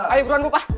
ayo buruan bu pak